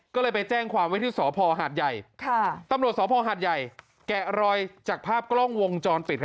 ก็เลยไปแจ้งความไว้ที่สพหาดใหญ่ตำรวจสภหาดใหญ่แกะรอยจากภาพกล้องวงจรปิด